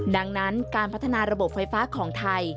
ดังนั้นการพัฒนาระบบไฟฟ้าของไทย